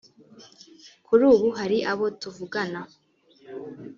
“kuri ubu hari abo tuvugana